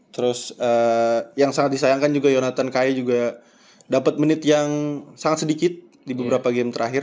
terus yang sangat disayangkan juga yonatan kay juga dapat menit yang sangat sedikit di beberapa game terakhir